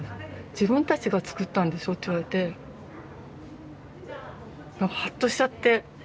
「自分たちがつくったんでしょ」って言われてハッとしちゃって。